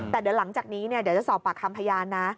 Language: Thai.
แต่เดี๋ยวหลังจากนี้เดี๋ยวจะสอบปากคำพยานนะ